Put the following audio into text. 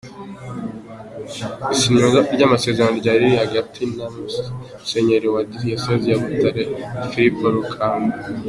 Isinywa ry’amasezerano ryari rihagarariwe na Musenyeri wa Diyoseze ya Butare Filipo Rukamba.